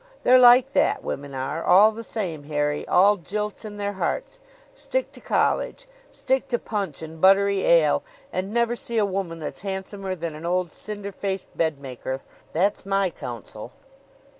They're like that women are all the same, Harry, all jilts in their hearts. Stick to college stick to punch and buttery ale: and never see a woman that's handsomer than an old cinder faced bed maker. That's my counsel."